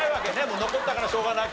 残ったからしょうがなく。